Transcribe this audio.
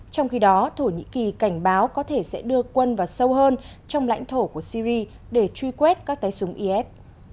trong khi đó thổ nhĩ kỳ cảnh báo có thể sẽ đưa quân vào sâu hơn trong lãnh thổ của syri để truy quét các tay súng is